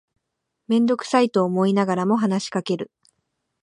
めんどくさいと思いながらも話しかける